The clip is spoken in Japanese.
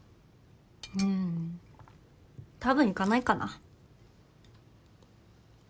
うんたぶん行かないかな。